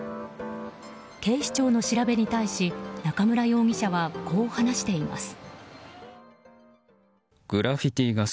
警視庁の調べに対し中村容疑者はこう話しています。